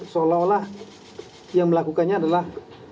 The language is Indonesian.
seolah olah yang melakukannya adalah